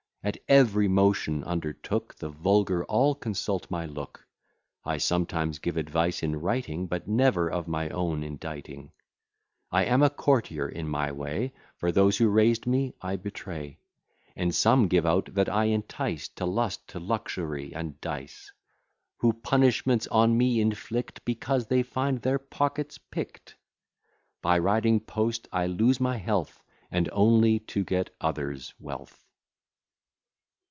At every motion undertook, The vulgar all consult my look. I sometimes give advice in writing, But never of my own inditing. I am a courtier in my way; For those who raised me, I betray; And some give out that I entice To lust, to luxury, and dice. Who punishments on me inflict, Because they find their pockets pickt. By riding post, I lose my health, And only to get others wealth.